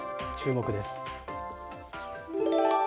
注目です。